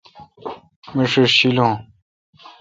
می ݭݭ شیلون